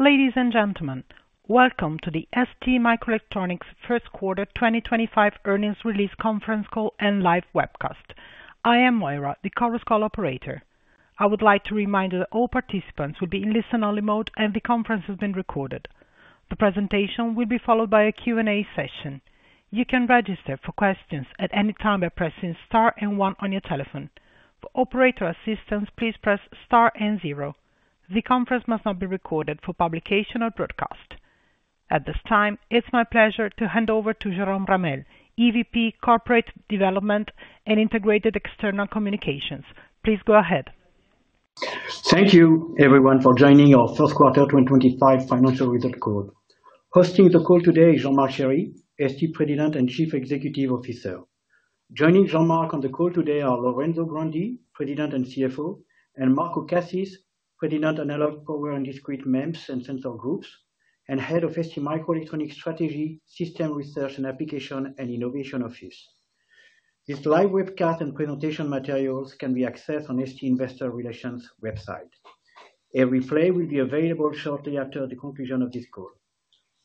Ladies and gentlemen, welcome to the STMicroelectronics First Quarter 2025 Earnings Release Conference Call and Live Webcast. I am Moira, the call operator. I would like to remind you that all participants will be in listen-only mode and the conference is being recorded. The presentation will be followed by a Q&A session. You can register for questions at any time by pressing star and one on your telephone. For operator assistance, please press star and zero. The conference must not be recorded for publication or broadcast. At this time, it's my pleasure to hand over to Jérôme Ramel, Executive VP, Corporate Development, Integrated Marketing and Communications. Please go ahead. Thank you, everyone, for joining our First Quarter 2025 Financial Result Call. Hosting the call today is Jean-Marc Chéry, ST President and Chief Executive Officer. Joining Jean-Marc on the call today are Lorenzo Grandi, President and CFO, and Marco Cassis, President, Analog, Power & Discrete, MEMS and Sensors Group, and Head of STMicroelectronics’ Strategy, System Research and Applications, Innovation Office. This live webcast and presentation materials can be accessed on the ST Investor Relations website. A replay will be available shortly after the conclusion of this call.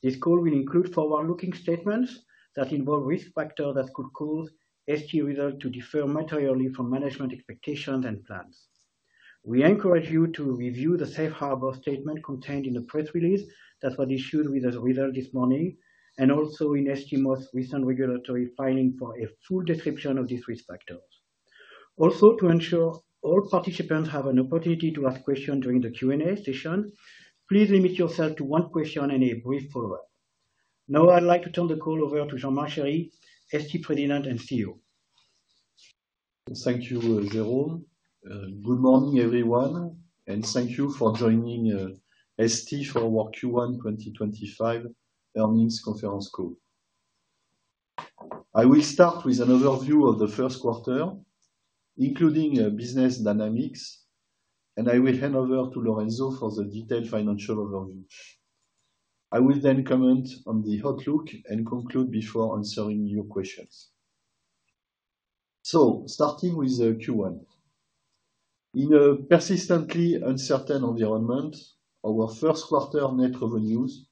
This call will include forward-looking statements that involve risk factors that could cause ST results to differ materially from management expectations and plans. We encourage you to review the Safe harbor statement contained in the press release that was issued with the result this morning and also in STMicroelectronics' recent regulatory filing for a full description of these risk factors. Also, to ensure all participants have an opportunity to ask questions during the Q&A session, please limit yourself to one question and a brief follow-up. Now, I'd like to turn the call over to Jean-Marc Chéry, ST President and CEO. Thank you, Jerome. Good morning, everyone, and thank you for joining ST for our Q1 2025 Earnings Conference Call. I will start with an overview of the first quarter, including business dynamics, and I will hand over to Lorenzo for the detailed financial overview. I will then comment on the outlook and conclude before answering your questions. starting with Q1. In a persistently uncertain environment, our first quarter net revenues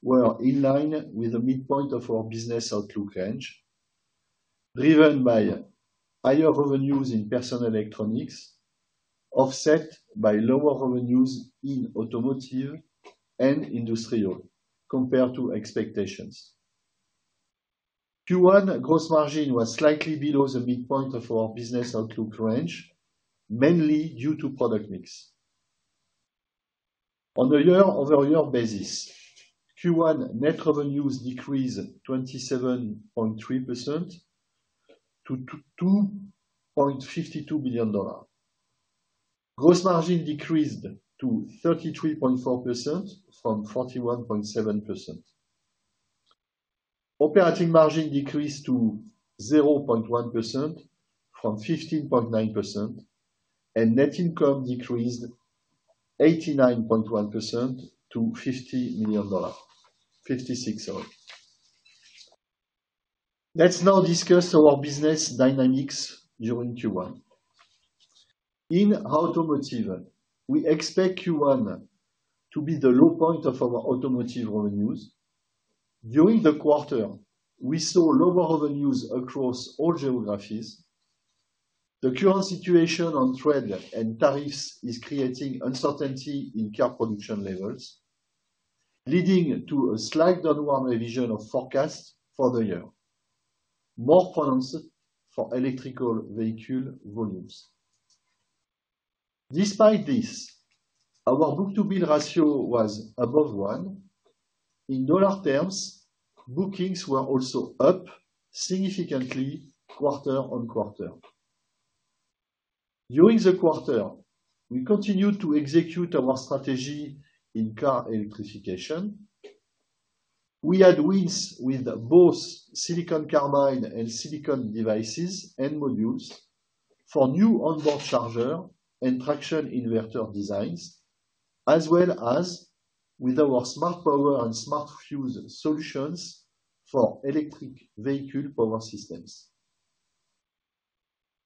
were in line with the midpoint of our business outlook range, driven by higher revenues in Personal Electronics, offset by lower revenues in automotive and industrial compared to expectations. Q1 gross margin was slightly below the midpoint of our business outlook range, mainly due to product mix. On a year-over-year basis, Q1 net revenues decreased 27.3% to $2.52 billion. Gross margin decreased to 33.4% from 41.7%. Operating margin decreased to 0.1% from 15.9%, and net income decreased 89.1% to $50 million. 56, sorry. Let's now discuss our business dynamics during Q1. In automotive, we expect Q1 to be the low point of our automotive revenues. During the quarter, we saw lower revenues across all geographies. The current situation on trade and tariffs is creating uncertainty in car production levels, leading to a slight downward revision of forecasts for the year, more pronounced for electric vehicle volumes. Despite this, our book-to-bill ratio was above one. In dollar terms, bookings were also up significantly quarter on quarter. During the quarter, we continued to execute our strategy in car electrification. We had wins with both silicon carbide and silicon devices and modules for new onboard charger and traction inverter designs, as well as with our smart power and smart fuse solutions for electric vehicle power systems.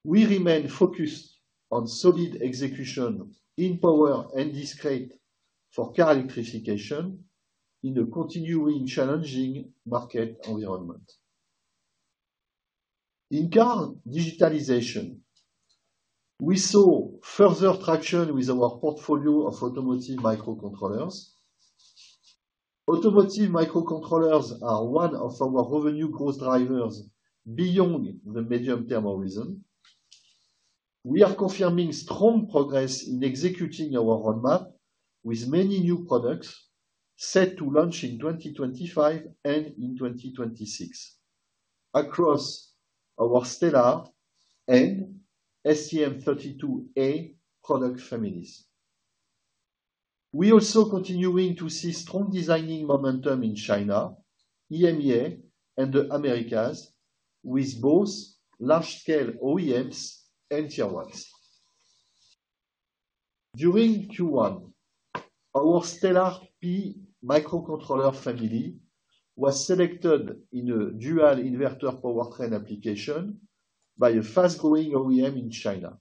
We remain focused on solid execution in power and discrete for car electrification in a continuing challenging market environment. In car digitalization, we saw further traction with our portfolio of automotive microcontrollers. Automotive microcontrollers are one of our revenue growth drivers beyond the medium-term horizon. We are confirming strong progress in executing our roadmap with many new products set to launch in 2025 and in 2026 across our Stellar and STM32A product families. We are also continuing to see strong designing momentum in China, EMEA, and the Americas with both large-scale OEMs and Tier 1s. During Q1, our Stellar P microcontroller family was selected in a dual inverter powertrain application by a fast-growing OEM in China,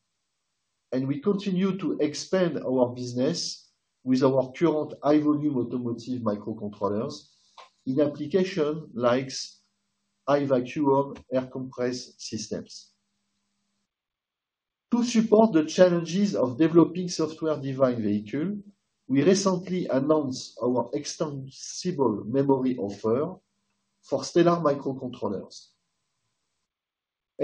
and we continue to expand our business with our current high-volume automotive microcontrollers in applications like high-vacuum air compressed systems. To support the challenges of developing software-defined vehicles, we recently announced our extensible memory offer for Stellar microcontrollers.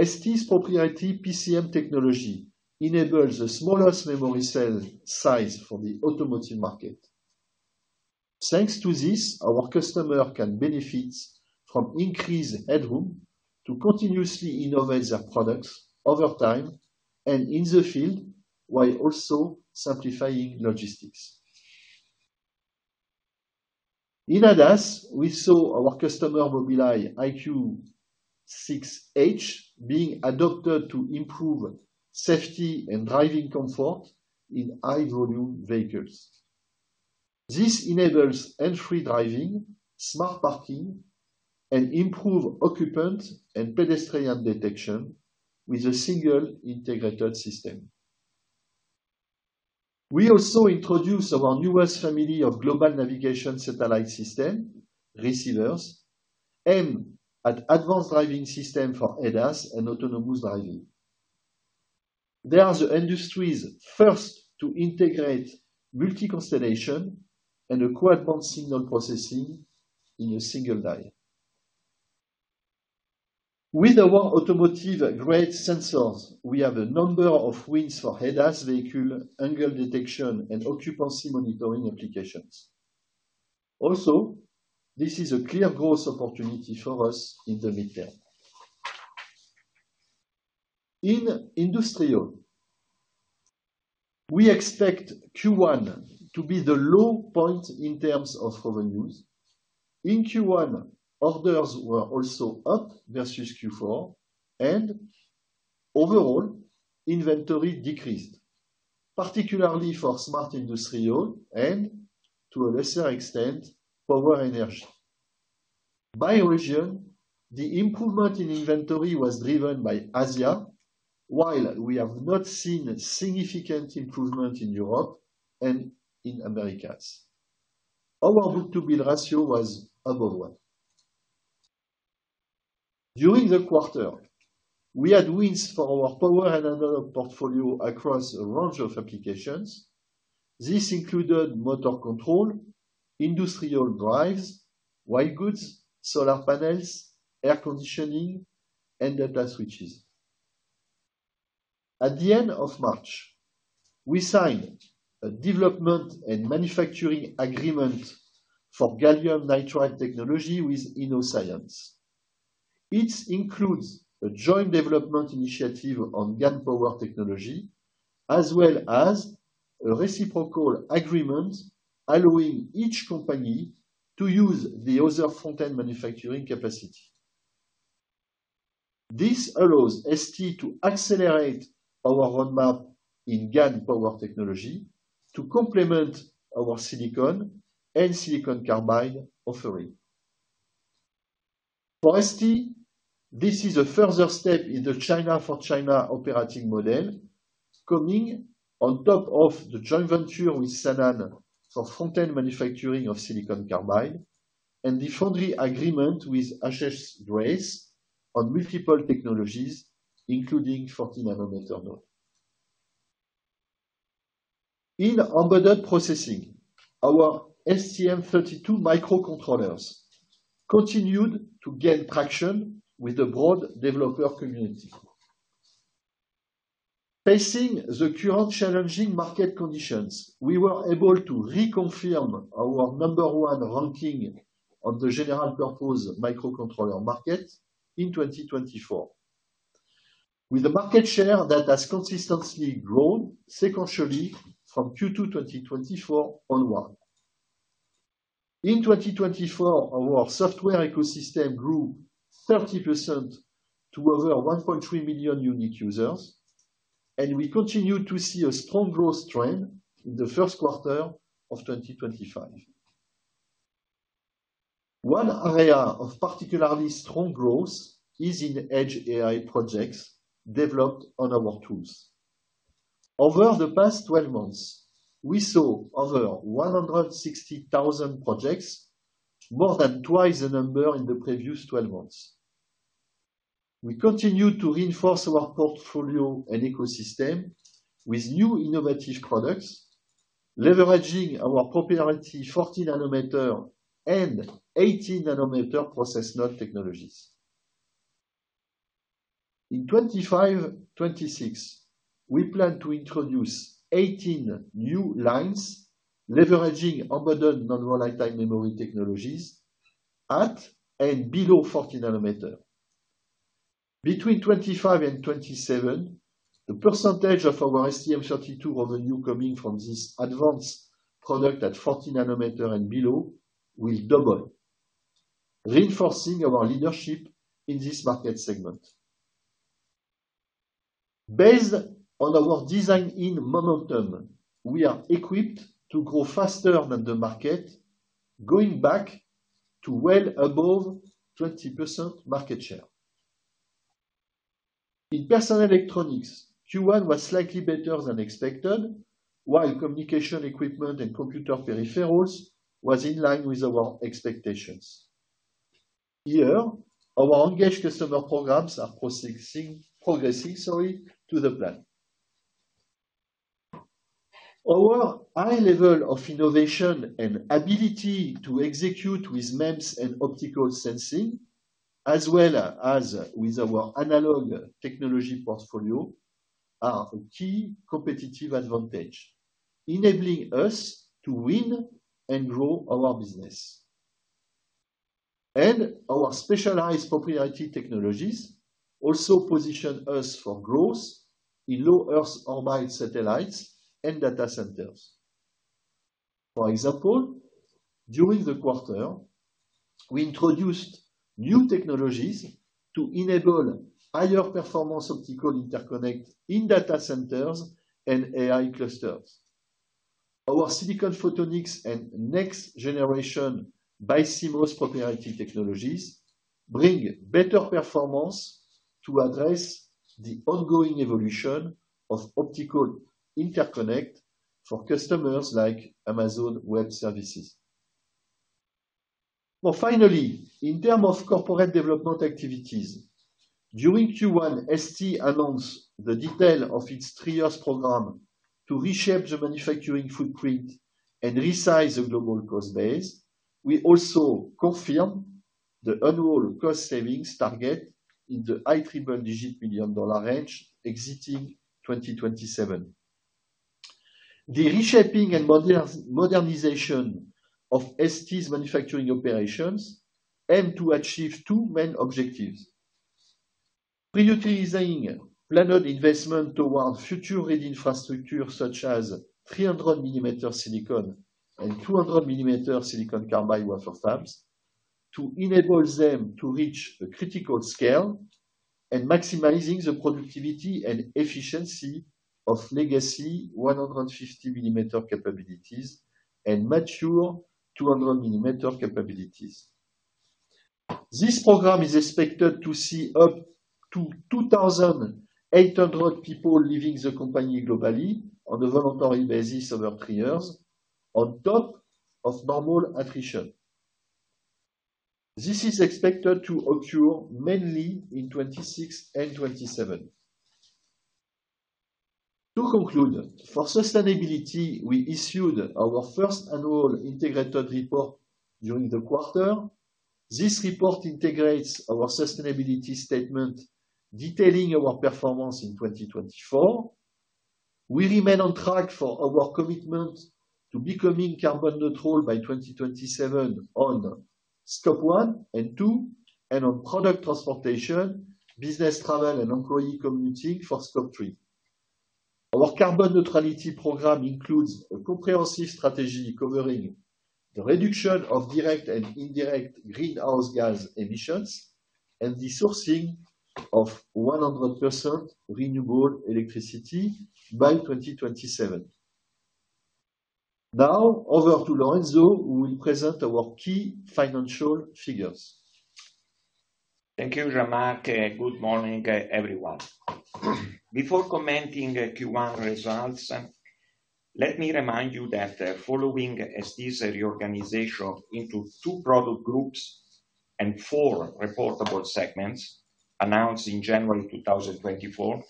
ST's proprietary PCM technology enables the smallest memory cell size for the automotive market. Thanks to this, our customers can benefit from increased headroom to continuously innovate their products over time and in the field while also simplifying logistics. In ADAS, we saw our customer Mobileye's EyeQ6H being adopted to improve safety and driving comfort in high-volume vehicles. This enables hands-free driving, smart parking, and improved occupant and pedestrian detection with a single integrated system. We also introduced our newest family of global navigation satellite system receivers and an advanced driving system for ADAS and autonomous driving. They are the industry's first to integrate multi-constellation and a quad-band signal processing in a single die. With our automotive-grade sensors, we have a number of wins for ADAS vehicle angle detection and occupancy monitoring applications. Also, this is a clear growth opportunity for us in the midterm. In industrial, we expect Q1 to be the low point in terms of revenues. In Q1, orders were also up versus Q4, and overall inventory decreased, particularly for Smart Industrial and, to a lesser extent, Power & Energy. By region, the improvement in inventory was driven by Asia, while we have not seen significant improvement in Europe and in Americas. Our book-to-bill ratio was above one. During the quarter, we had wins for our power and another portfolio across a range of applications. This included motor control, industrial drives, white goods, solar panels, air conditioning, and data switches. At the end of March, we signed a development and manufacturing agreement for gallium nitride technology with Innoscience. It includes a joint development initiative on GaN technology, as well as a reciprocal agreement allowing each company to use the other front-end manufacturing capacity. This allows ST to accelerate our roadmap in GaN technology to complement our silicon and silicon carbide offering. For ST, this is a further step in the China for China operating model, coming on top of the joint venture with Sanan for front-end manufacturing of silicon carbide and the foundry agreement with HHGrace on multiple technologies, including 40 nm node. In embedded processing, our STM32 microcontrollers continued to gain traction with the broad developer community. Facing the current challenging market conditions, we were able to reconfirm our number one ranking of the general-purpose microcontroller market in 2024, with a market share that has consistently grown sequentially from Q2 2024 onward. In 2024, our software ecosystem grew 30% to over 1.3 million unique users, and we continued to see a strong growth trend in the first quarter of 2025. One area of particularly strong growth is in edge AI projects developed on our tools. Over the past 12 months, we saw over 160,000 projects, more than twice the number in the previous 12 months. We continued to reinforce our portfolio and ecosystem with new innovative products, leveraging our proprietary 40-nanometer and 18-nanometer process node technologies. In 2025-2026, we plan to introduce 18 new lines leveraging embedded non-volatile memory technologies at and below 40 nanometer. Between 2025 and 2027, the percentage of our STM32 revenue coming from this advanced product at 40 nanometer and below will double, reinforcing our leadership in this market segment. Based on our design in momentum, we are equipped to grow faster than the market, going back to well above 20% market share. In personal electronics, Q1 was slightly better than expected, while Communication Equipment and Computer Peripherals were in line with our expectations. Here, our engaged customer programs are progressing to the plan. Our high level of innovation and ability to execute with MEMS and optical sensing, as well as with our analog technology portfolio, are a key competitive advantage, enabling us to win and grow our business. Our specialized proprietary technologies also position us for growth in low Earth orbit satellites and data centers. For example, during the quarter, we introduced new technologies to enable higher performance optical interconnect in data centers and AI clusters. Our silicon photonics and next-generation BiCMOS proprietary technologies bring better performance to address the ongoing evolution of optical interconnect for customers like Amazon Web Services. Finally, in terms of corporate development activities, during Q1, ST announced the detail of its three-year program to reshape the manufacturing footprint and resize the global cost base. We also confirmed the annual cost savings target in the high triple-digit million-dollar range exiting 2027. The reshaping and modernization of ST's manufacturing operations aim to achieve two main objectives: pre-utilizing planned investment towards future-ready infrastructure such as 300-millimeter silicon and 200-millimeter silicon carbide wafer fabs to enable them to reach a critical scale and maximizing the productivity and efficiency of legacy 150-millimeter capabilities and mature 200-millimeter capabilities. This program is expected to see up to 2,800 people leaving the company globally on a voluntary basis over three years, on top of normal attrition. This is expected to occur mainly in 2026 and 2027. To conclude, for sustainability, we issued our first annual integrated report during the quarter. This report integrates our sustainability statement detailing our performance in 2024. We remain on track for our commitment to becoming carbon neutral by 2027 on scope one and two, and on product transportation, business travel, and employee commuting for scope three. Our carbon neutrality program includes a comprehensive strategy covering the reduction of direct and indirect greenhouse gas emissions and the sourcing of 100% renewable electricity by 2027. Now, over to Lorenzo, who will present our key financial figures. Thank you, Jean-Marc, and good morning, everyone. Before commenting on Q1 results, let me remind you that following ST's reorganization into two product groups and four reportable segments announced in January 2024,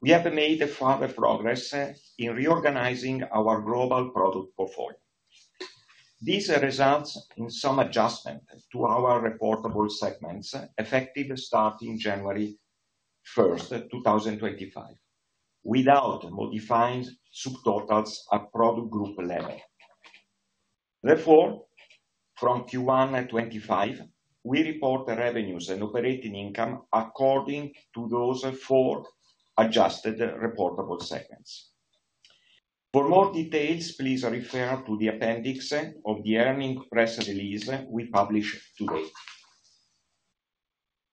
we have made further progress in reorganizing our global product portfolio. These result in some adjustment to our reportable segments effective starting January 1st, 2025, without modifying subtotals at product group level. Therefore, from Q1 2025, we report revenues and operating income according to those four adjusted reportable segments. For more details, please refer to the appendix of the earnings press release we published today.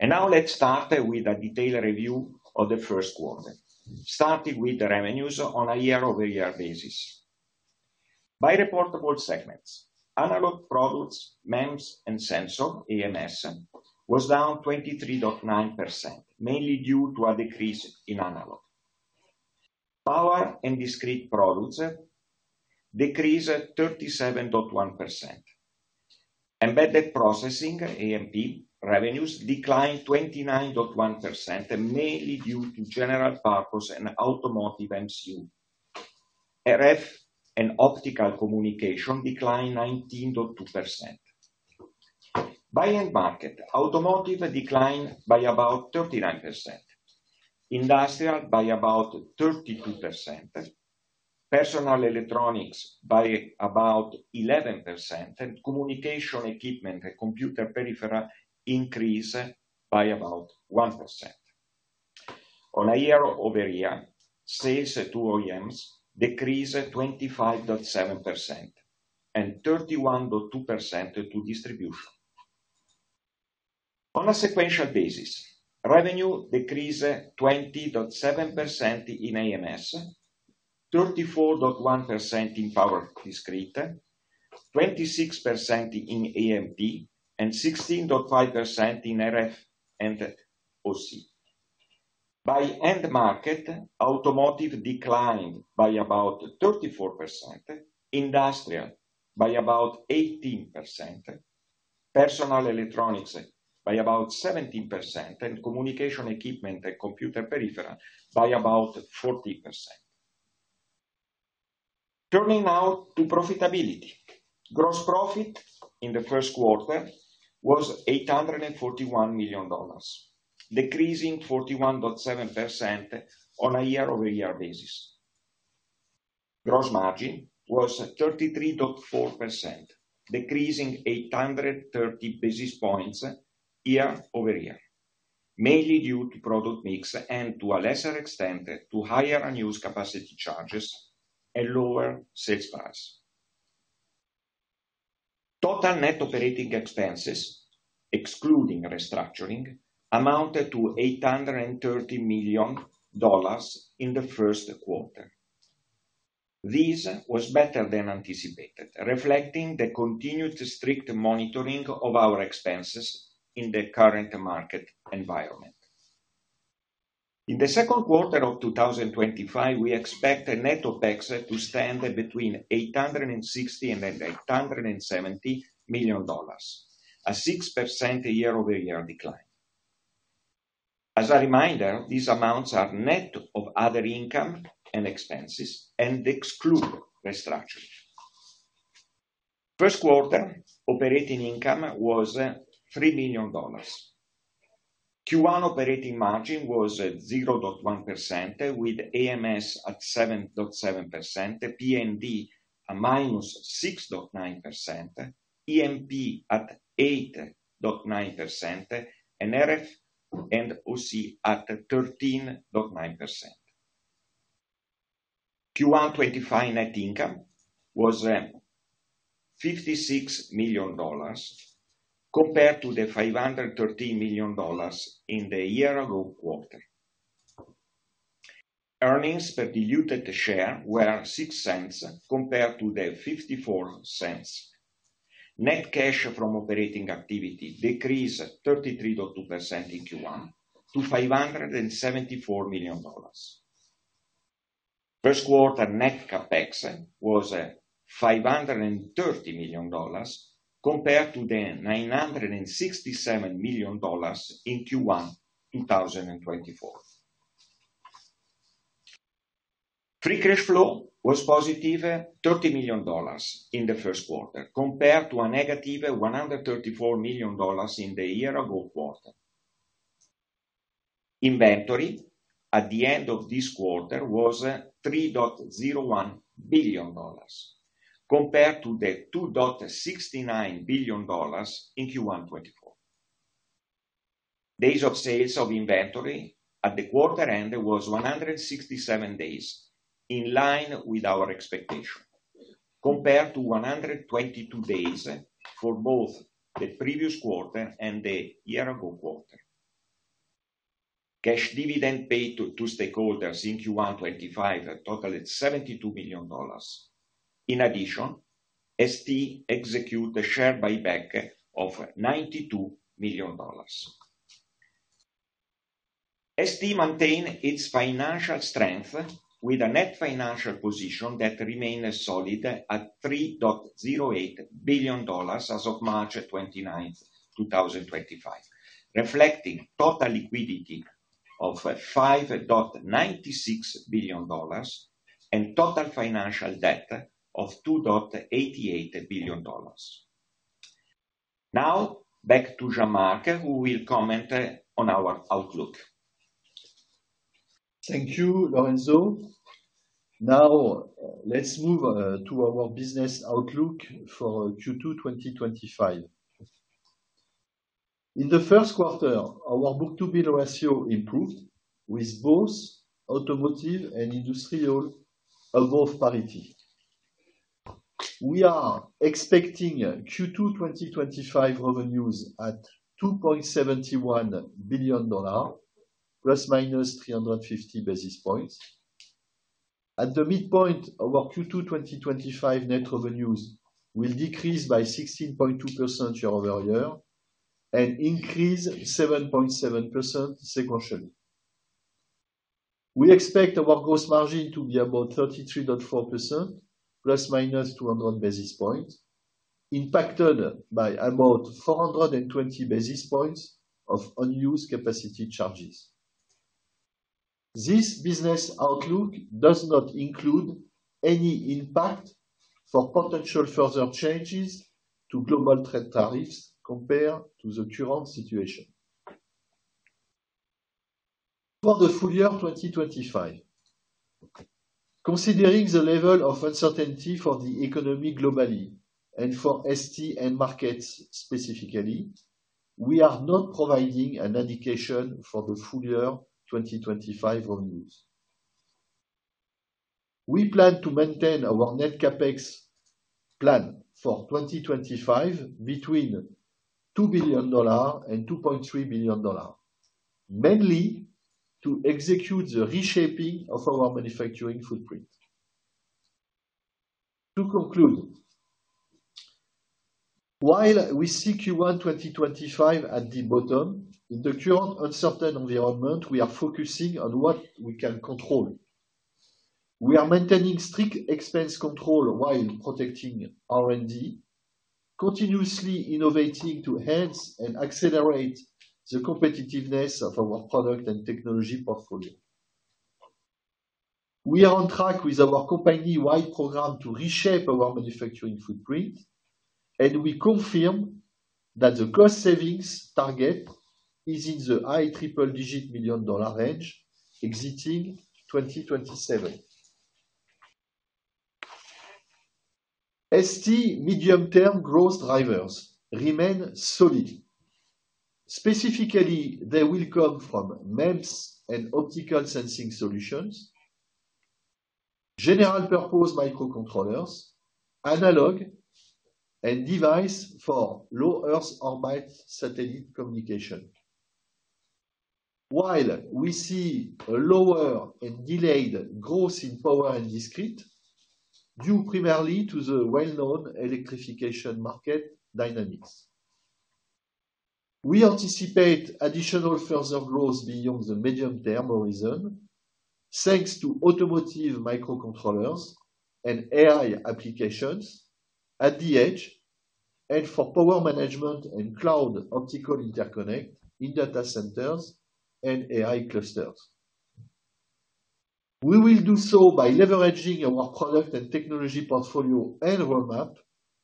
Now let's start with a detailed review of the first quarter, starting with the revenues on a year-over-year basis. By reportable segments, Analog Products, MEMS and Sensors was down 23.9%, mainly due to a decrease in analog. Power and discrete products decreased 37.1%. Embedded processing EMP revenues declined 29.1%, mainly due to general purpose and automotive MCU. RF and optical communication declined 19.2%. By end market, automotive declined by about 39%, industrial by about 32%, personal electronics by about 11%, and communication equipment and computer peripheral increased by about 1%. On a year-over-year, sales to OEMs decreased 25.7% and 31.2% to distribution. On a sequential basis, revenue decreased 20.7% in AMS, 34.1% in power discrete, 26% in AMP, and 16.5% in RF and OC. By end market, automotive declined by about 34%, industrial by about 18%, personal electronics by about 17%, and communication equipment and computer peripheral by about 40%. Turning now to profitability, gross profit in the first quarter was $841 million, decreasing 41.7% on a year-over-year basis. Gross margin was 33.4%, decreasing 830 basis points year-over-year, mainly due to product mix and to a lesser extent to higher unused capacity charges and lower sales price. Total net operating expenses, excluding restructuring, amounted to $830 million in the first quarter. This was better than anticipated, reflecting the continued strict monitoring of our expenses in the current market environment. In the second quarter of 2025, we expect net OPEX to stand between $860 million and $870 million, a 6% year-over-year decline. As a reminder, these amounts are net of other income and expenses and exclude restructuring. First quarter operating income was $3 million. Q1 operating margin was 0.1%, with AMS at 7.7%, P&D at -6.9%, EMP at 8.9%, and RF and OC at 13.9%. Q1 2025 net income was $56 million, compared to the $513 million in the year-ago quarter. Earnings per diluted share were $0.06, compared to the $0.54. Net cash from operating activity decreased 33.2% in Q1 to $574 million. First quarter net CapEx was $530 million, compared to the $967 million in Q1 2024. Free cash flow was positive $30 million in the first quarter, compared to a -$134 million in the year-ago quarter. Inventory at the end of this quarter was $3.01 billion, compared to the $2.69 billion in Q1 2024. Days of sales of inventory at the quarter end was 167 days, in line with our expectation, compared to 122 days for both the previous quarter and the year-ago quarter. Cash dividend paid to stakeholders in Q1 2025 totaled $72 million. In addition, ST executed a share buyback of $92 million. ST maintained its financial strength with a net financial position that remained solid at $3.08 billion as of March 29, 2025, reflecting total liquidity of $5.96 billion and total financial debt of $2.88 billion. Now, back to Jean-Marc, who will comment on our outlook. Thank you, Lorenzo. Now, let's move to our business outlook for Q2 2025. In the first quarter, our book-to-bill ratio improved, with both automotive and industrial above parity. We are expecting Q2 2025 revenues at $2.71 billion, ±350 basis points. At the midpoint, our Q2 2025 net revenues will decrease by 16.2% year-over-year and increase 7.7% sequentially. We expect our gross margin to be about 33.4%, ±200 basis points, impacted by about 420 basis points of unused capacity charges. This business outlook does not include any impact for potential further changes to global trade tariffs compared to the current situation. For the full year 2025, considering the level of uncertainty for the economy globally and for ST and markets specifically, we are not providing an indication for the full year 2025 revenues. We plan to maintain our net CapEx plan for 2025 between $2 billion and $2.3 billion, mainly to execute the reshaping of our manufacturing footprint. To conclude, while we see Q1 2025 at the bottom, in the current uncertain environment, we are focusing on what we can control. We are maintaining strict expense control while protecting R&D, continuously innovating to enhance and accelerate the competitiveness of our product and technology portfolio. We are on track with our company-wide program to reshape our manufacturing footprint, and we confirm that the cost savings target is in the high triple-digit million-dollar range exiting 2027. ST medium-term growth drivers remain solid. Specifically, they will come from MEMS and optical sensing solutions, general purpose microcontrollers, analog, and devices for low Earth orbit satellite communication. While we see a lower and delayed growth in power and discrete, due primarily to the well-known electrification market dynamics. We anticipate additional further growth beyond the medium-term horizon thanks to automotive microcontrollers and AI applications at the edge and for power management and cloud optical interconnect in data centers and AI clusters. We will do so by leveraging our product and technology portfolio and roadmap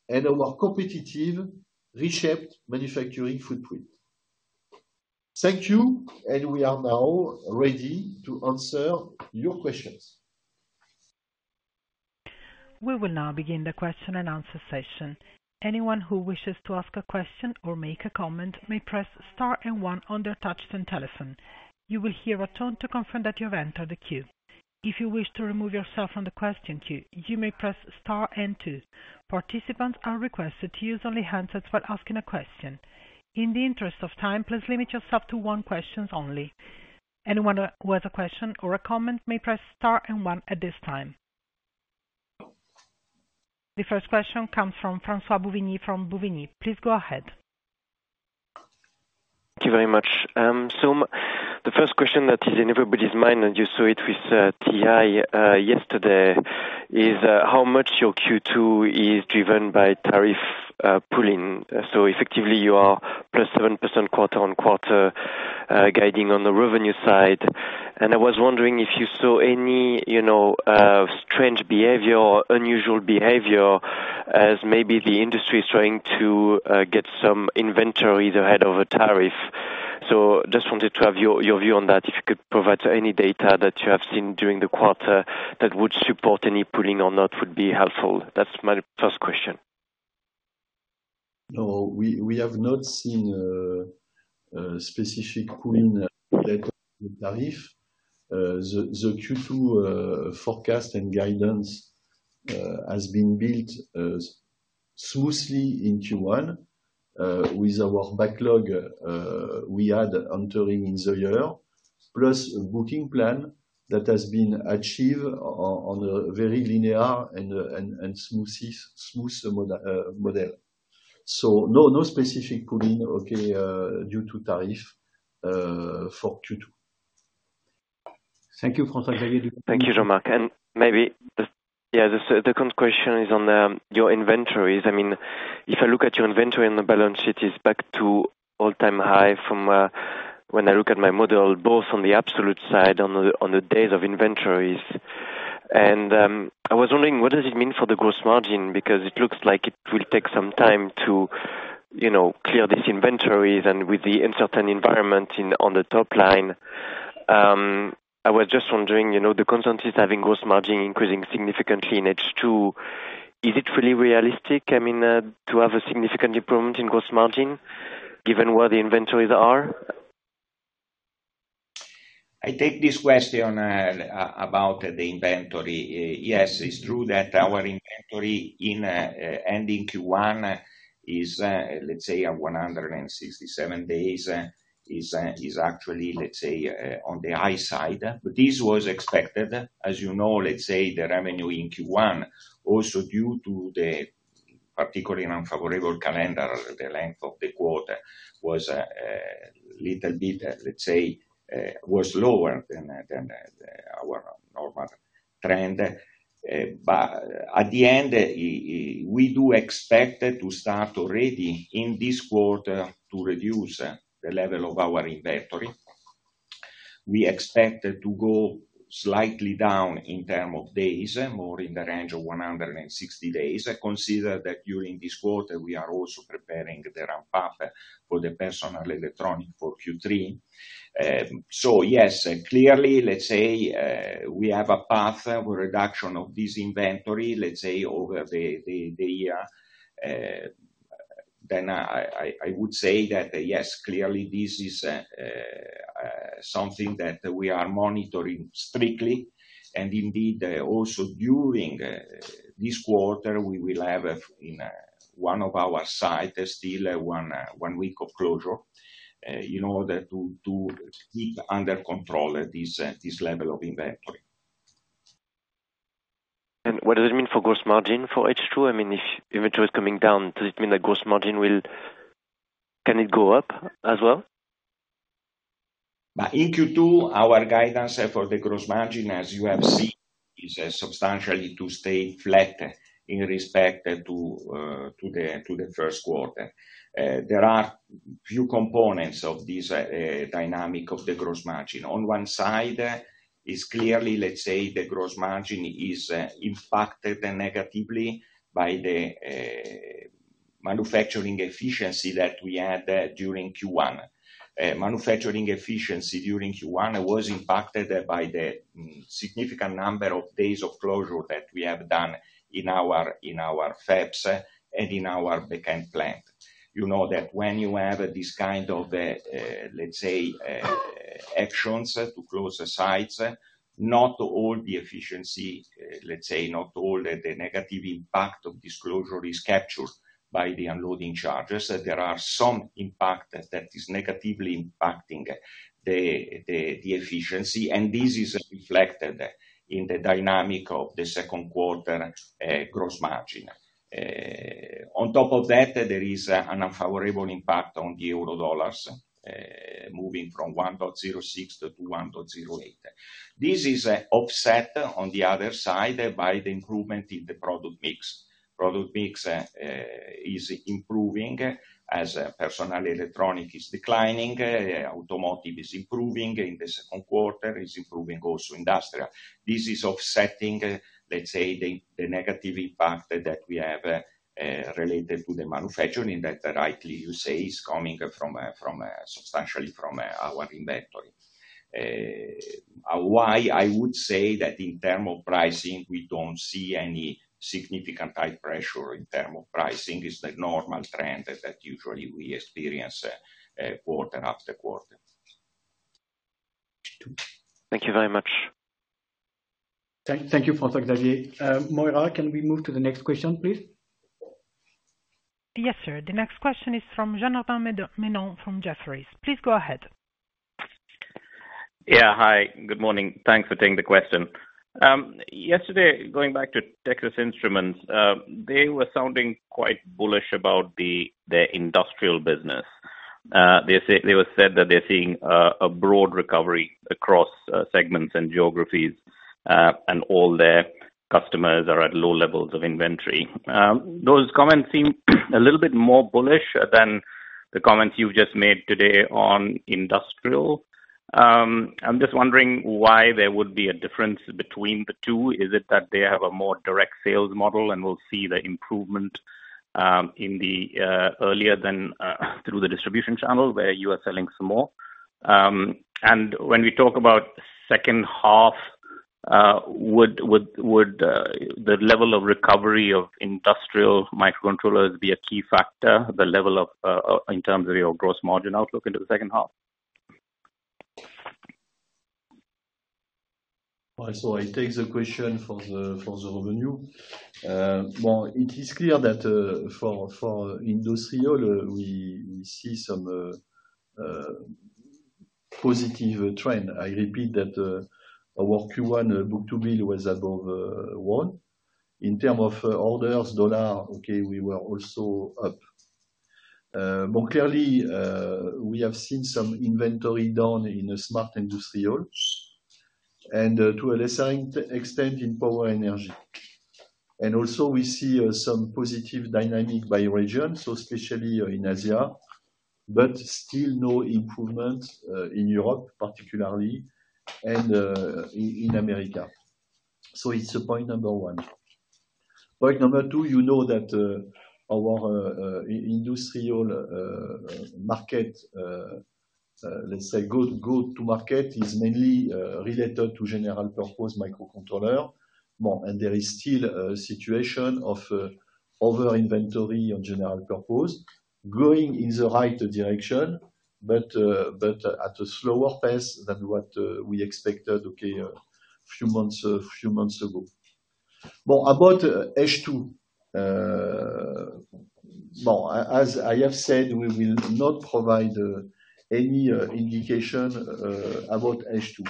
and our competitive reshaped manufacturing footprint. Thank you, and we are now ready to answer your questions. We will now begin the question and answer session. Anyone who wishes to ask a question or make a comment may press star and one on their touchscreen telephone. You will hear a tone to confirm that you have entered the queue. If you wish to remove yourself from the question queue, you may press star and two. Participants are requested to use only handsets while asking a question. In the interest of time, please limit yourself to one question only. Anyone who has a question or a comment may press star and one at this time. The first question comes from François-Xavier Bouvignies. Please go ahead. Thank you very much. The first question that is in everybody's mind, and you saw it with TI yesterday, is how much your Q2 is driven by tariff pulling. Effectively, you are +7% quarter on quarter guiding on the revenue side. I was wondering if you saw any strange behavior or unusual behavior as maybe the industry is trying to get some inventories ahead of a tariff. I just wanted to have your view on that. If you could provide any data that you have seen during the quarter that would support any pulling or not would be helpful. That's my first question. No, we have not seen a specific pulling related to tariff. The Q2 forecast and guidance has been built smoothly in Q1 with our backlog we had entering in the year, plus a booking plan that has been achieved on a very linear and smooth model. No specific pulling, okay, due to tariff for Q2. Thank you, François Xavier. Thank you, Jean-Marc. Maybe, yeah, the second question is on your inventories. I mean, if I look at your inventory on the balance sheet, it is back to all-time high from when I look at my model, both on the absolute side on the days of inventories. I was wondering, what does it mean for the gross margin? Because it looks like it will take some time to clear these inventories and with the uncertain environment on the top line. I was just wondering, the consensus having gross margin increasing significantly in H2, is it really realistic, I mean, to have a significant improvement in gross margin given where the inventories are? I take this question about the inventory. Yes, it's true that our inventory in ending Q1 is, let's say, 167 days, is actually, let's say, on the high side. This was expected. As you know, let's say the revenue in Q1, also due to the particularly unfavorable calendar, the length of the quarter was a little bit, let's say, was lower than our normal trend. At the end, we do expect to start already in this quarter to reduce the level of our inventory. We expect to go slightly down in terms of days, more in the range of 160 days, considering that during this quarter, we are also preparing the ramp-up for the personal electronic for Q3. Yes, clearly, let's say we have a path for reduction of this inventory, let's say, over the year. I would say that, yes, clearly, this is something that we are monitoring strictly. Indeed, also during this quarter, we will have in one of our sites still one week of closure in order to keep under control this level of inventory. What does it mean for gross margin for H2? I mean, if inventory is coming down, does it mean that gross margin will, can it go up as well? In Q2, our guidance for the gross margin, as you have seen, is substantially to stay flat in respect to the first quarter. There are a few components of this dynamic of the gross margin. On one side, it is clearly, let's say, the gross margin is impacted negatively by the manufacturing efficiency that we had during Q1. Manufacturing efficiency during Q1 was impacted by the significant number of days of closure that we have done in our fabs and in our backend plant. You know that when you have this kind of, let's say, actions to close the sites, not all the efficiency, let's say, not all the negative impact of disclosure is captured by the unloading charges. There are some impacts that are negatively impacting the efficiency, and this is reflected in the dynamic of the second quarter gross margin. On top of that, there is an unfavorable impact on the euro dollars moving from 1.06 to 1.08. This is offset on the other side by the improvement in the product mix. Product mix is improving as personal electronic is declining, automotive is improving in the second quarter, is improving also industrial. This is offsetting, let's say, the negative impact that we have related to the manufacturing that rightly you say is coming substantially from our inventory. Why I would say that in terms of pricing, we do not see any significant high pressure in terms of pricing. It is the normal trend that usually we experience quarter after quarter. Thank you very much. Thank you, François Xavier. Moira, can we move to the next question, please? Yes, sir. The next question is from Janardan Menon from Jefferies. Please go ahead. Yeah, hi. Good morning. Thanks for taking the question. Yesterday, going back to Texas Instruments, they were sounding quite bullish about their industrial business. They said that they are seeing a broad recovery across segments and geographies, and all their customers are at low levels of inventory. Those comments seem a little bit more bullish than the comments you have just made today on industrial. I am just wondering why there would be a difference between the two. Is it that they have a more direct sales model and will see the improvement earlier than through the distribution channel where you are selling some more? When we talk about second half, would the level of recovery of industrial microcontrollers be a key factor, the level in terms of your gross margin outlook into the second half? I'll take the question for the revenue. It is clear that for industrial, we see some positive trend. I repeat that our Q1 book-to-bill was above one. In terms of orders, dollar, we were also up. Clearly, we have seen some inventory down in smart industrial and to a lesser extent in Power & Energy. Also, we see some positive dynamic by region, especially in Asia, but still no improvement in Europe, particularly, and in America. It is a point number one. Point number two, you know that our industrial market, let's say, go-to market is mainly related to general purpose microcontrollers. And there is still a situation of over-inventory on general purpose, going in the right direction, but at a slower pace than what we expected, okay, a few months ago. About H2, as I have said, we will not provide any indication about H2.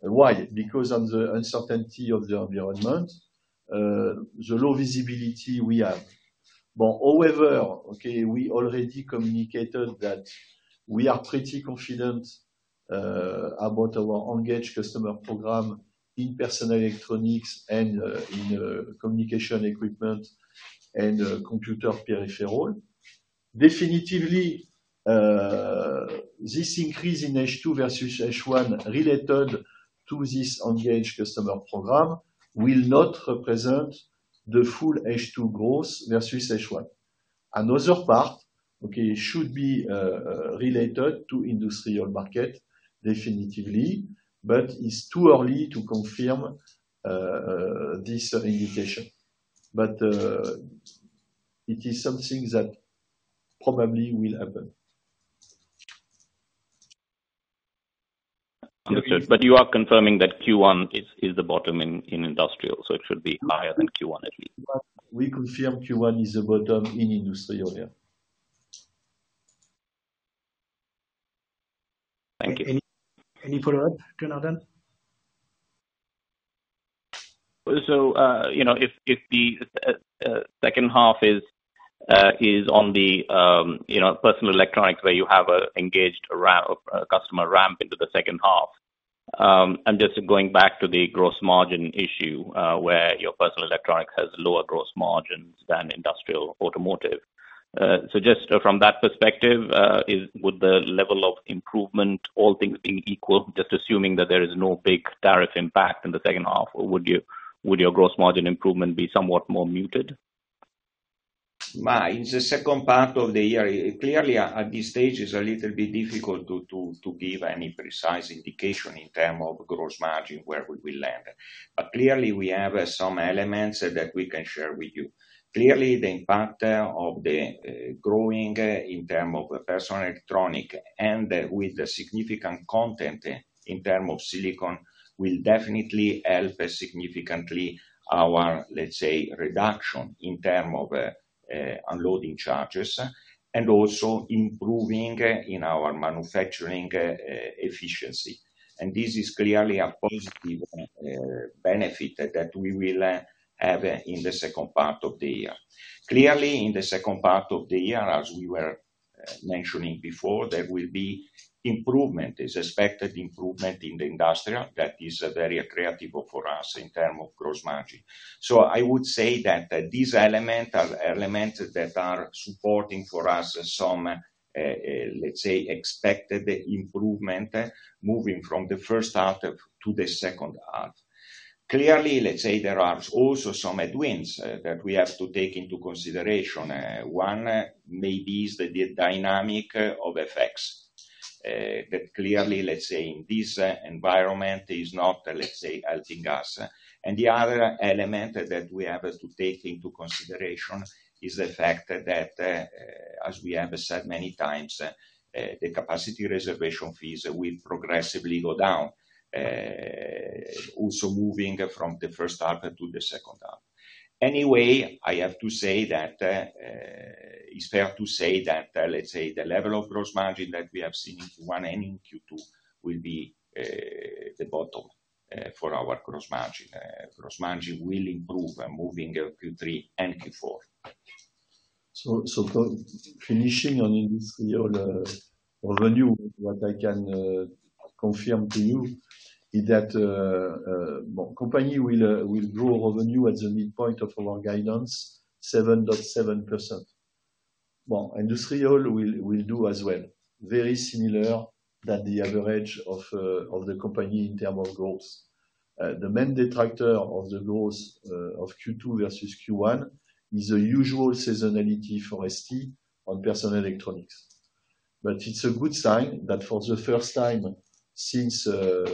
Why? Because of the uncertainty of the environment, the low visibility we have. However, okay, we already communicated that we are pretty confident about our engaged customer program in personal electronics and in communication equipment and computer peripheral. Definitely, this increase in H2 versus H1 related to this engaged customer program will not represent the full H2 growth versus H1. On the other part, okay, it should be related to industrial market definitely, but it's too early to confirm this indication. It is something that probably will happen. You are confirming that Q1 is the bottom in industrial, so it should be higher than Q1 at least. We confirm Q1 is the bottom in industrial here. Thank you. Any follow-up, Janardan? If the second half is on the personal electronics where you have an engaged customer ramp into the second half, I'm just going back to the gross margin issue where your personal electronics has lower gross margins than industrial automotive. Just from that perspective, would the level of improvement, all things being equal, just assuming that there is no big tariff impact in the second half, would your gross margin improvement be somewhat more muted? The second part of the year, clearly, at this stage, it's a little bit difficult to give any precise indication in terms of gross margin where we will land. Clearly, we have some elements that we can share with you. Clearly, the impact of the growing in terms of personal electronic and with the significant content in terms of silicon will definitely help significantly our, let's say, reduction in terms of unloading charges and also improving in our manufacturing efficiency. This is clearly a positive benefit that we will have in the second part of the year. Clearly, in the second part of the year, as we were mentioning before, there will be improvement, expected improvement in the industrial that is very creative for us in terms of gross margin. I would say that these elements that are supporting for us some, let's say, expected improvement moving from the first half to the second half. Clearly, let's say there are also some headwinds that we have to take into consideration. One may be the dynamic of FX that clearly, let's say, in this environment is not, let's say, helping us. The other element that we have to take into consideration is the fact that, as we have said many times, the capacity reservation fees will progressively go down, also moving from the first half to the second half. Anyway, I have to say that it's fair to say that, let's say, the level of gross margin that we have seen in Q1 and in Q2 will be the bottom for our gross margin. Gross margin will improve moving Q3 and Q4. Finishing on industrial revenue, what I can confirm to you is that company will grow revenue at the midpoint of our guidance, 7.7%. Industrial will do as well. Very similar to the average of the company in terms of growth. The main detractor of the growth of Q2 versus Q1 is the usual seasonality for ST on personal electronics. It is a good sign that for the first time since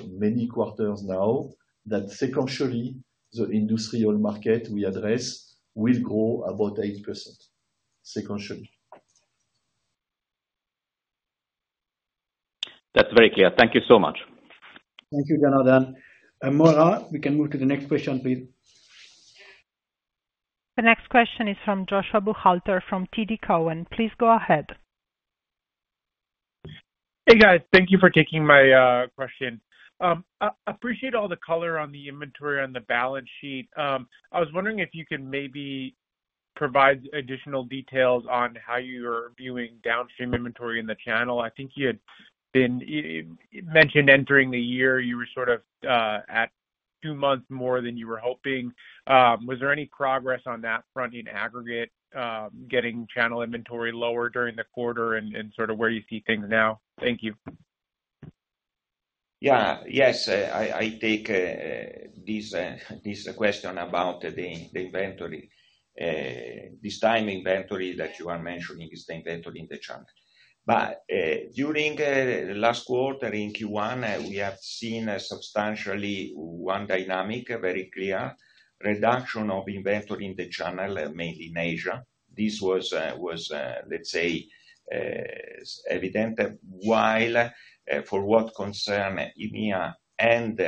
many quarters now, that sequentially the industrial market we address will grow about 8% sequentially. That is very clear. Thank you so much. Thank you, Jonathan. Moira, we can move to the next question, please. The next question is from Joshua Buchalter from TD Cowen. Please go ahead. Hey, guys. Thank you for taking my question. I appreciate all the color on the inventory on the balance sheet. I was wondering if you could maybe provide additional details on how you're viewing downstream inventory in the channel. I think you had mentioned entering the year, you were sort of at two months more than you were hoping. Was there any progress on that front in aggregate, getting channel inventory lower during the quarter and sort of where you see things now? Thank you. Yeah. Yes, I take this question about the inventory. This time inventory that you are mentioning is the inventory in the channel. During the last quarter in Q1, we have seen substantially one dynamic, very clear reduction of inventory in the channel, mainly in Asia. This was, let's say, evident while for what concerns EMEA and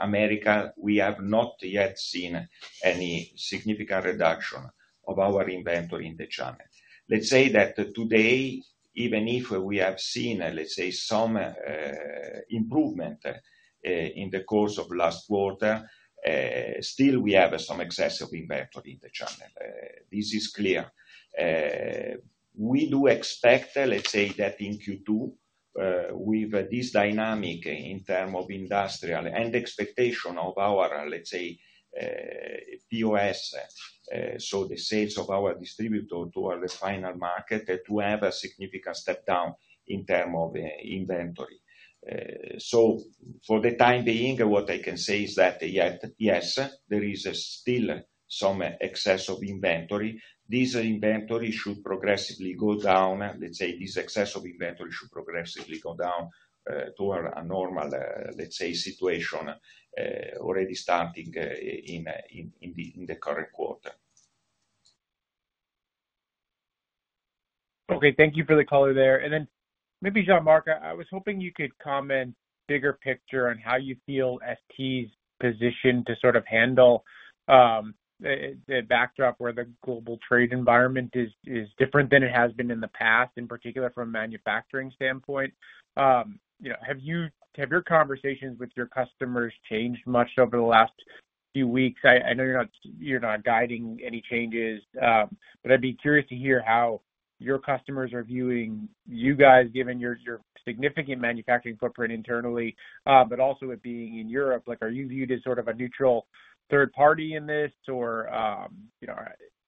America, we have not yet seen any significant reduction of our inventory in the channel. Let's say that today, even if we have seen, let's say, some improvement in the course of last quarter, still we have some excessive inventory in the channel. This is clear. We do expect, let's say, that in Q2, with this dynamic in terms of industrial and expectation of our, let's say, POS, so the sales of our distributor to our final market to have a significant step down in terms of inventory. For the time being, what I can say is that yes, there is still some excess of inventory. This inventory should progressively go down. Let's say this excess of inventory should progressively go down to a normal, let's say, situation already starting in the current quarter. Okay. Thank you for the color there. Maybe, Jean-Marc, I was hoping you could comment bigger picture on how you feel ST's position to sort of handle the backdrop where the global trade environment is different than it has been in the past, in particular from a manufacturing standpoint. Have your conversations with your customers changed much over the last few weeks? I know you're not guiding any changes, but I'd be curious to hear how your customers are viewing you guys, given your significant manufacturing footprint internally, but also it being in Europe. Are you viewed as sort of a neutral third party in this?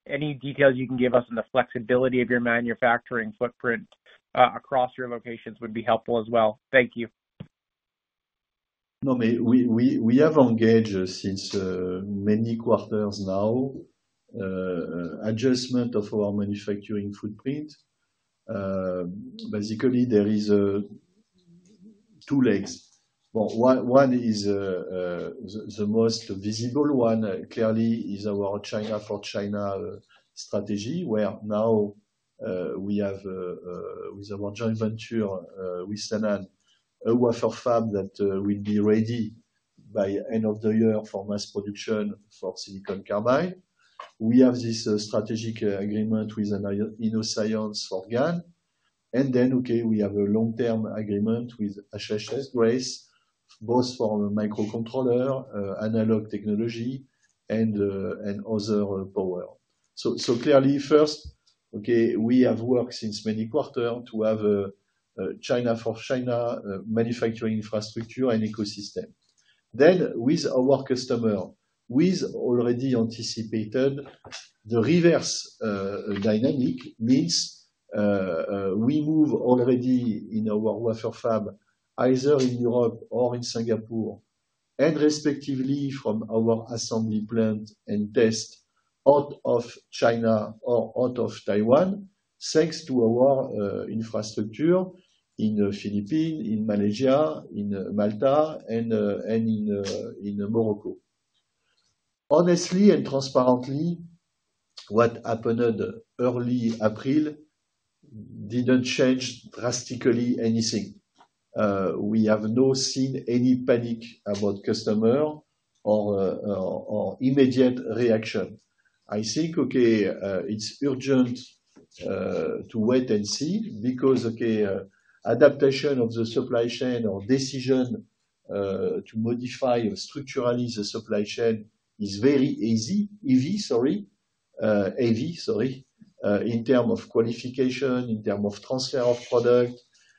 Any details you can give us on the flexibility of your manufacturing footprint across your locations would be helpful as well. Thank you. We have engaged since many quarters now adjustment of our manufacturing footprint. Basically, there are two legs. One is the most visible one, clearly, is our China for China strategy, where now we have with our joint venture with Sanan, a wafer fab that will be ready by end of the year for mass production for silicon carbide. We have this strategic agreement with Innoscience for GaN. Okay, we have a long-term agreement with HHGrace, both for microcontroller, analog technology, and other power. Clearly, first, we have worked since many quarters to have a China for China manufacturing infrastructure and ecosystem. With our customer, we've already anticipated the reverse dynamic, which means we move already in our wafer fab, either in Europe or in Singapore, and respectively from our assembly plant and test out of China or out of Taiwan, thanks to our infrastructure in the Philippines, in Malaysia, in Malta, and in Morocco. Honestly and transparently, what happened early April did not change drastically anything. We have not seen any panic about customer or immediate reaction. I think, okay, it is urgent to wait and see because, okay, adaptation of the supply chain or decision to modify or structuralize the supply chain is very heavy, sorry, in terms of qualification, in terms of transfer of product,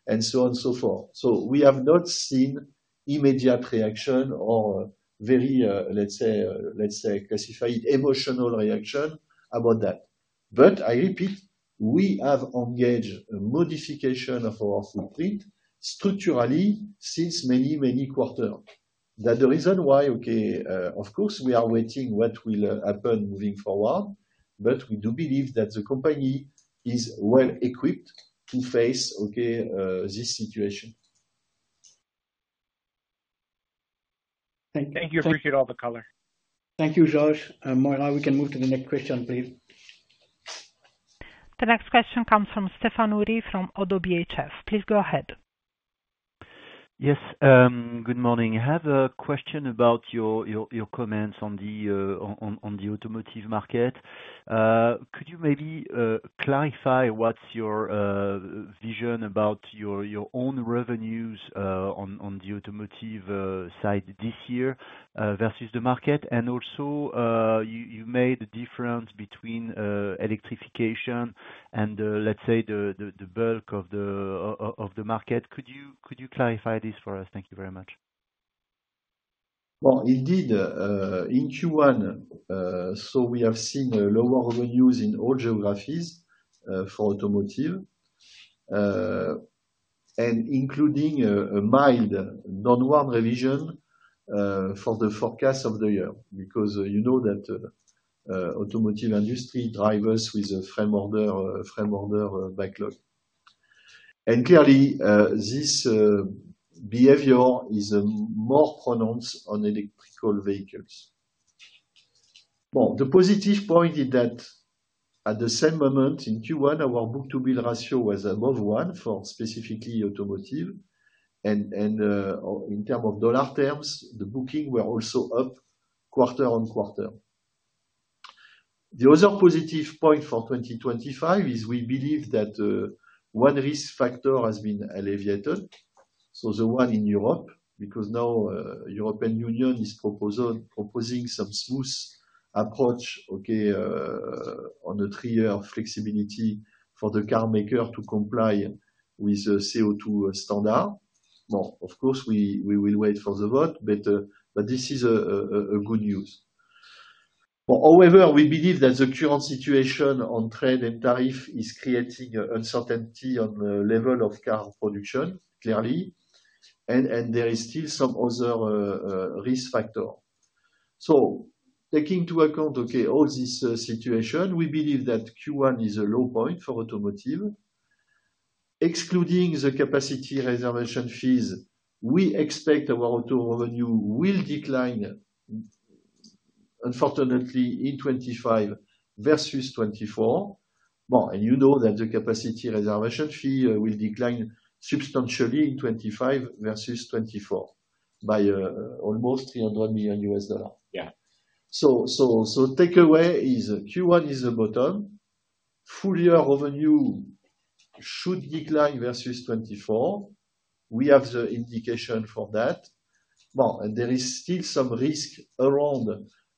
and so on and so forth. We have not seen immediate reaction or very, let's say, classified emotional reaction about that. I repeat, we have engaged a modification of our footprint structurally since many, many quarters. That is the reason why, okay, of course, we are waiting what will happen moving forward, but we do believe that the company is well equipped to face, okay, this situation. Thank you. Thank you. Appreciate all the color. Thank you, Josh. Moira, we can move to the next question, please. The next question comes from Stéphane Houri from ODDO BHF. Please go ahead. Yes. Good morning. I have a question about your comments on the automotive market. Could you maybe clarify what's your vision about your own revenues on the automotive side this year versus the market? And also, you made a difference between electrification and, let's say, the bulk of the market. Could you clarify this for us? Thank you very much. Indeed, in Q1, we have seen lower revenues in all geographies for automotive, including a mild downward revision for the forecast of the year because you know that automotive industry drivers with a frame order backlog. Clearly, this behavior is more pronounced on electrical vehicles. The positive point is that at the same moment in Q1, our book-to-bill ratio was above one for specifically automotive. In terms of dollar terms, the booking were also up quarter on quarter. The other positive point for 2025 is we believe that one risk factor has been alleviated, so the one in Europe, because now the European Union is proposing some smooth approach, okay, on a three-year flexibility for the car maker to comply with the CO2 standard. Of course, we will wait for the vote, but this is good news. However, we believe that the current situation on trade and tariff is creating uncertainty on the level of car production, clearly, and there is still some other risk factor. Taking into account, okay, all this situation, we believe that Q1 is a low point for automotive. Excluding the capacity reservation fees, we expect our auto revenue will decline, unfortunately, in 2025 versus 2024. You know that the capacity reservation fee will decline substantially in 2025 versus 2024 by almost $300 million. Yeah. Takeaway is Q1 is the bottom. Full-year revenue should decline versus 2024. We have the indication for that. There is still some risk around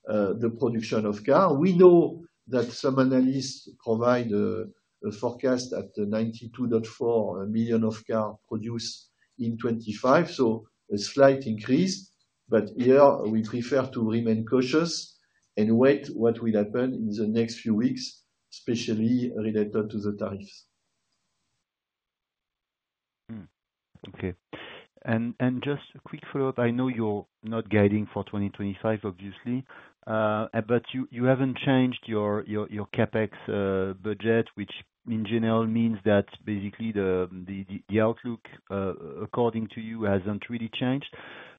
the production of car. We know that some analysts provide a forecast at 92.4 million of car produced in 2025, so a slight increase. Here, we prefer to remain cautious and wait what will happen in the next few weeks, especially related to the tariffs. Okay. Just a quick follow-up. I know you're not guiding for 2025, obviously, but you haven't changed your CapEx budget, which in general means that basically the outlook, according to you, hasn't really changed.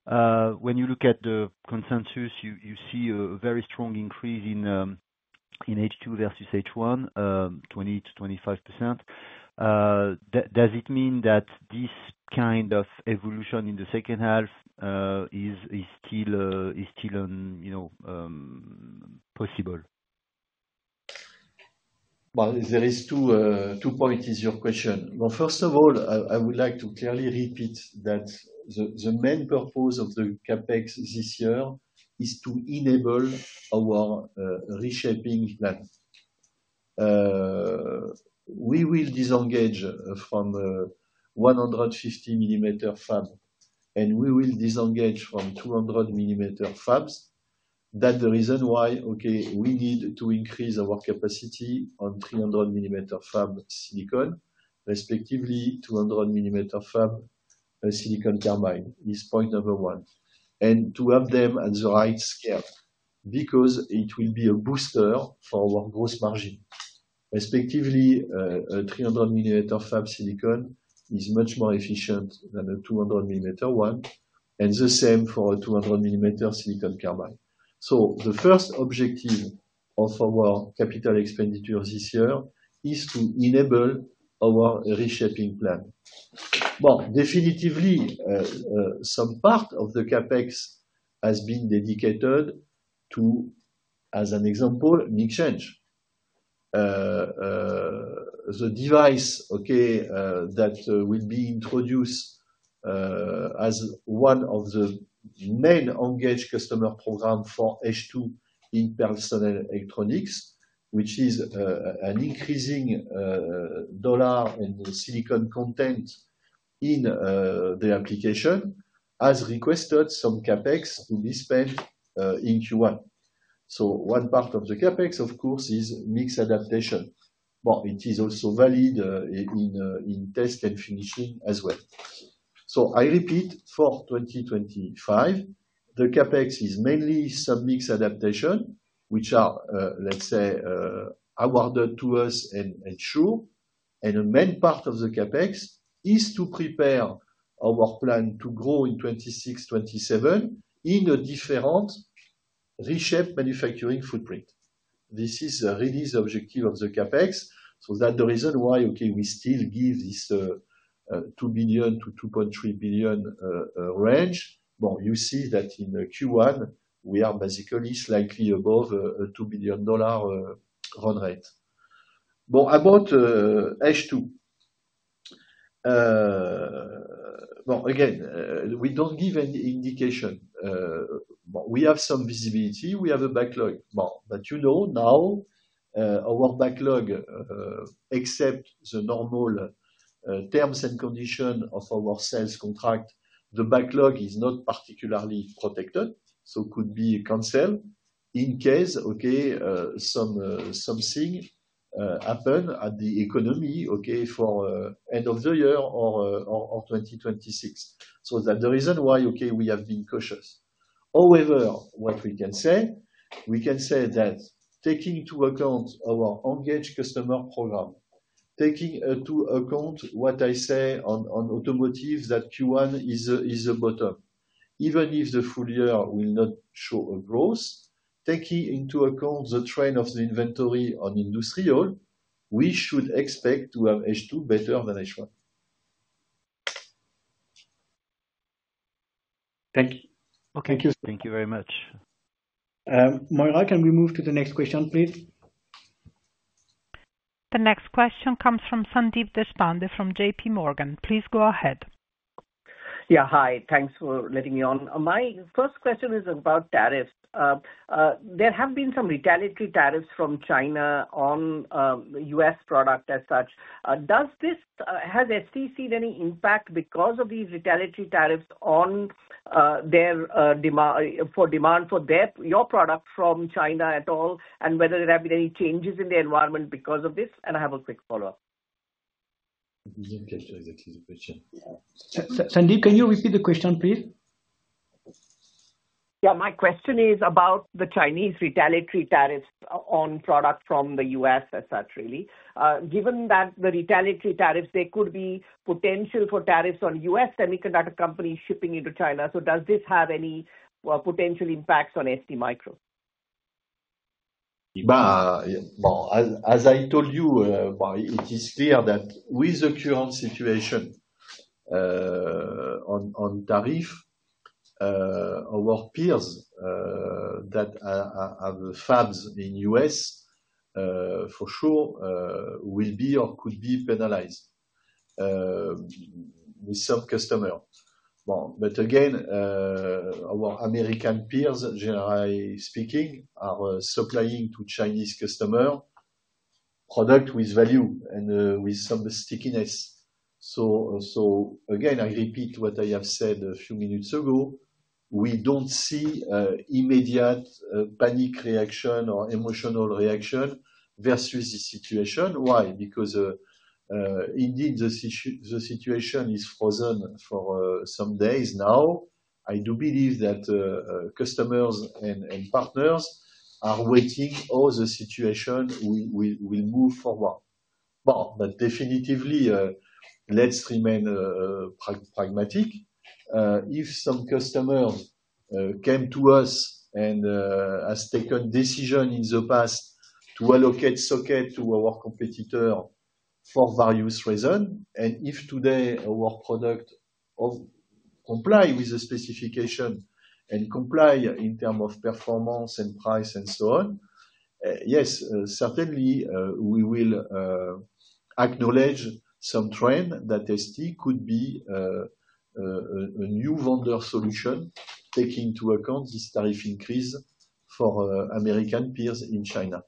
When you look at the consensus, you see a very strong increase in H2 versus H1, 20%-25%. Does it mean that this kind of evolution in the second half is still possible? There are two points in your question. First of all, I would like to clearly repeat that the main purpose of the CapEx this year is to enable our reshaping plan. We will disengage from 150-millimeter fab, and we will disengage from 200-millimeter fabs. That's the reason why, okay, we need to increase our capacity on 300-millimeter fab silicon, respectively 200-millimeter fab silicon carbide. It's point number one. To have them at the right scale because it will be a booster for our gross margin. Respectively, a 300-millimeter fab silicon is much more efficient than a 200-millimeter one, and the same for a 200-millimeter silicon carbide. The first objective of our capital expenditures this year is to enable our reshaping plan. Definitely, some part of the CapEx has been dedicated to, as an example, NIC change. The device, okay, that will be introduced as one of the main engaged customer programs for H2 in personal electronics, which is an increasing dollar and silicon content in the application, has requested some CapEx to be spent in Q1. One part of the CapEx, of course, is mix adaptation. It is also valid in test and finishing as well. I repeat, for 2025, the CapEx is mainly sub-mix adaptation, which are, let's say, awarded to us and ensured. The main part of the CapEx is to prepare our plan to grow in 2026-2027 in a different reshaped manufacturing footprint. This is the release objective of the CapEx. That is the reason why, okay, we still give this $2 billion to 2.3 billion range. You see that in Q1, we are basically slightly above a $2 billion run rate. About H2, again, we do not give any indication. We have some visibility. We have a backlog. But you know now our backlog, except the normal terms and conditions of our sales contract, the backlog is not particularly protected, so it could be canceled in case, okay, something happens at the economy, okay, for end of the year or 2026. That is the reason why, okay, we have been cautious. However, what we can say, we can say that taking into account our engaged customer program, taking into account what I say on automotive, that Q1 is the bottom. Even if the full year will not show a growth, taking into account the trend of the inventory on industrial, we should expect to have H2 better than H1. Thank you. Thank you. Thank you very much. Moira, can we move to the next question, please? The next question comes from Sandeep Deshpande from JPMorgan. Please go ahead. Yeah. Hi. Thanks for letting me on. My first question is about tariffs. There have been some retaliatory tariffs from China on US products as such. Has ST had any impact because of these retaliatory tariffs on their demand for your product from China at all, and whether there have been any changes in the environment because of this? I have a quick follow-up. This is a question. Sandeep, can you repeat the question, please? Yeah. My question is about the Chinese retaliatory tariffs on products from the U.S. as such, really. Given that the retaliatory tariffs, there could be potential for tariffs on U.S. semiconductor companies shipping into China. Does this have any potential impacts on STMicroelectronics? As I told you, it is clear that with the current situation on tariffs, our peers that have fabs in the U.S., for sure, will be or could be penalized with some customers. Again, our American peers, generally speaking, are supplying to Chinese customers products with value and with some stickiness. I repeat what I have said a few minutes ago. We do not see an immediate panic reaction or emotional reaction versus the situation. Why? Because indeed, the situation is frozen for some days now. I do believe that customers and partners are waiting on the situation; we will move forward. Definitely, let's remain pragmatic. If some customers came to us and have taken decisions in the past to allocate socket to our competitor for various reasons, and if today our product complies with the specification and complies in terms of performance and price and so on, yes, certainly, we will acknowledge some trend that ST could be a new vendor solution taking into account this tariff increase for American peers in China.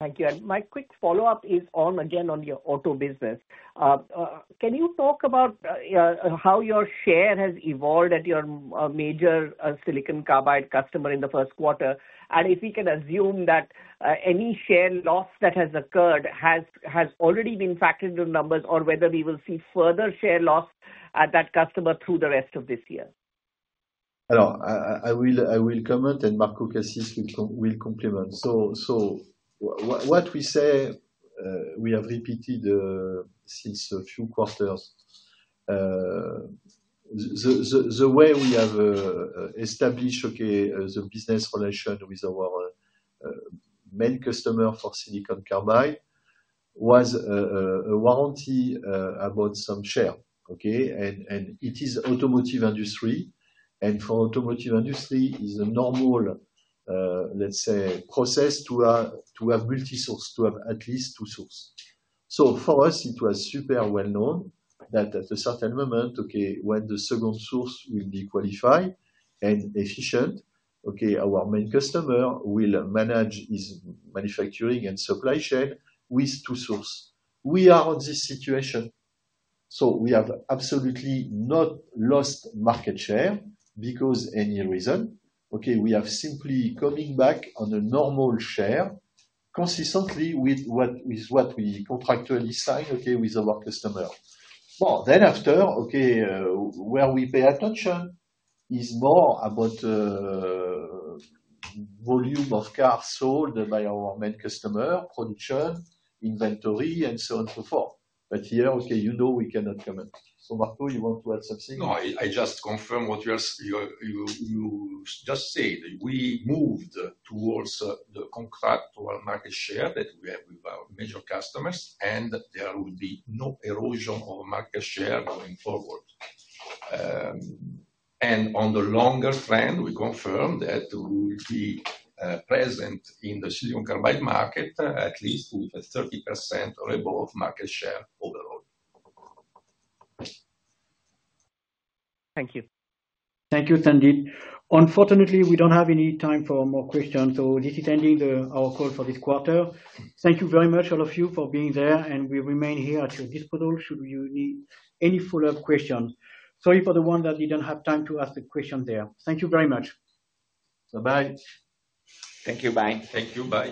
Thank you. My quick follow-up is on, again, on your auto business. Can you talk about how your share has evolved at your major silicon carbide customer in the first quarter? And if we can assume that any share loss that has occurred has already been factored into numbers, or whether we will see further share loss at that customer through the rest of this year? I will comment, and Marco Cassis will complement. What we say, we have repeated since a few quarters. The way we have established, okay, the business relation with our main customer for silicon carbide was a warranty about some share. Okay? It is automotive industry. For automotive industry, it is a normal, let's say, process to have multi-source, to have at least two sources. For us, it was super well-known that at a certain moment, okay, when the second source will be qualified and efficient, okay, our main customer will manage his manufacturing and supply chain with two sources. We are in this situation. We have absolutely not lost market share because of any reason. Okay? We are simply coming back on a normal share consistently with what we contractually signed, okay, with our customer. After, okay, where we pay attention is more about the volume of cars sold by our main customer, production, inventory, and so on and so forth. Here, okay, you know we cannot comment. Marco, you want to add something? No, I just confirm what you just said. We moved towards the contractual market share that we have with our major customers, and there will be no erosion of market share going forward. On the longer trend, we confirm that we will be present in the silicon carbide market at least with a 30% or above market share overall. Thank you. Thank you, Sandeep. Unfortunately, we do not have any time for more questions, so this is ending our call for this quarter. Thank you very much, all of you, for being there, and we remain here at your disposal should you need any follow-up questions. Sorry for the ones that didn't have time to ask the questions there. Thank you very much.